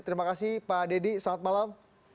terima kasih pak deddy selamat malam